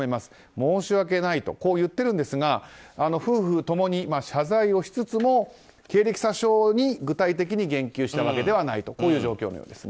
申し訳ないと言っているんですが夫婦共に謝罪をしつつも経歴詐称に具体的に言及したわけではないとこういう状況のようです。